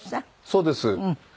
そうです。